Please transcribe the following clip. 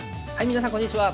皆さんこんにちは。